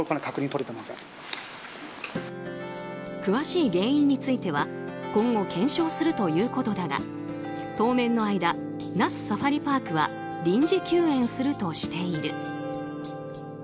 詳しい原因については今後、検証するということだが当面の間、那須サファリパークは臨時休園するとしている。